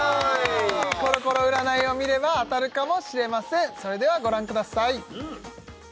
コロコロ占いを見れば当たるかもしれませんそれではご覧ください